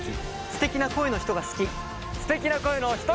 「すてきな声の人が好き」。